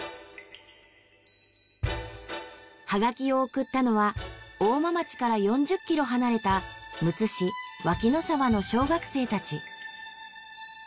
はがきを送ったのは大間町から４０キロ離れたむつ市脇野沢の小学生たち。